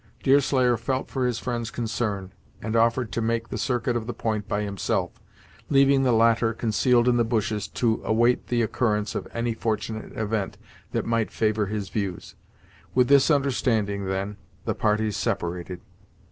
Deerslayer felt for his friend's concern, and offered to make the circuit of the point by himself, leaving the latter concealed in the bushes to await the occurrence of any fortunate event that might favour his views. With this understanding, then, the parties separated.